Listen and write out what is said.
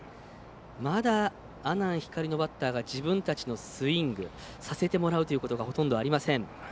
まだ阿南光のバッターが自分たちのスイングをさせてもらうということはほとんどありません。